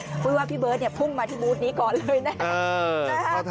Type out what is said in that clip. ด้วยสิ่งแบบว่าพี่เบิสพุ่งมาที่บุตรนี้ก่อนเลยนะครับ